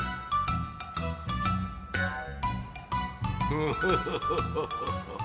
フフフフフフフ。